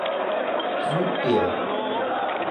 زود بیا!